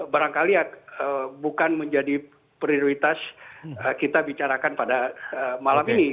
barangkali ya bukan menjadi prioritas kita bicarakan pada malam ini